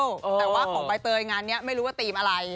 แต่ว่าของใบเตยงานนี้ไม่รู้ว่าธีมอะไร